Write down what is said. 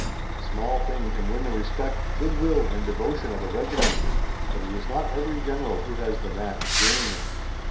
A small thing can win the respect, goodwill, and devotion of a Regiment, but it is not every General who has the knack of gaining it.